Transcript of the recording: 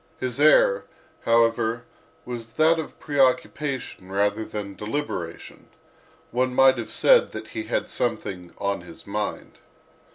His air, however, was that of preoccupation rather than deliberation: one might have said that he had "something on his mind."